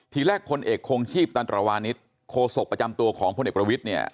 ทีแรกพลเอกคงชีพตันตรวานิสโคศกประจำตัวของพลเอกประวิทย์เนี่ย